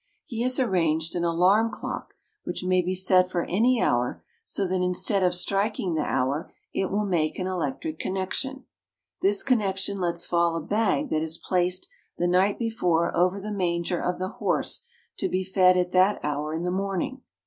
He has arranged an alarm clock which may be set for any hour so that instead of striking the hour it will make an electric connection. This connection lets fall a bag that is placed the night before over the manger of the horse to be fed at that hour in the morning.